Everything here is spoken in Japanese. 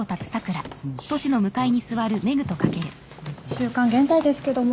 週刊現在ですけども。